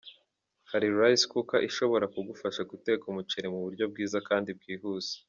Hari Rice cooker ishobora kugufasha guteka umuceri mu buryo bwiza kandi bwihuse.